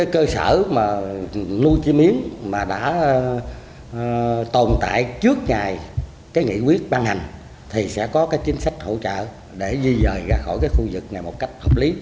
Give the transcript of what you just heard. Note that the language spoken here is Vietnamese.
cơ sở nuôi chim yến mà đã tồn tại trước ngày nghị quyết ban hành thì sẽ có chính sách hỗ trợ để di rời ra khỏi khu vực này một cách hợp lý